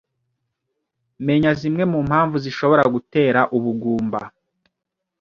Menya zimwe mu mpamvu zishobora gutera ubugumba